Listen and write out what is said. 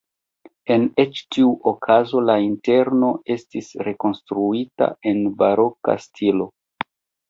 En ĉi tiu okazo la interno estis rekonstruita en baroka stilo.